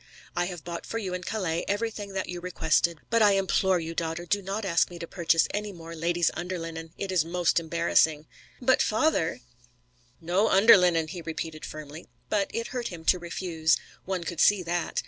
I have bought for you in Calais everything that you requested. But I implore you, daughter, do not ask me to purchase any more ladies' underlinen. It is most embarrassing." "But, father " "No underlinen," he repeated firmly. But it hurt him to refuse. One could see that.